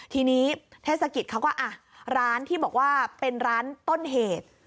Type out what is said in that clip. ทีนี้เทศกิจเขาก็อ่ะร้านที่บอกว่าเป็นร้านต้นเหตุ